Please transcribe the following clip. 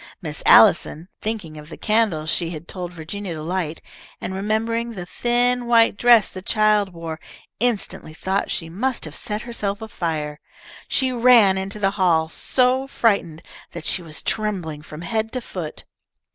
Miss Allison, thinking of the candle she had told Virginia to light, and remembering the thin, white dress the child wore, instantly thought she must have set herself afire. She ran into the hall, so frightened that she was trembling from head to foot.